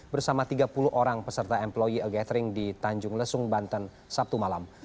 bersama tiga puluh orang peserta employe gathering di tanjung lesung banten sabtu malam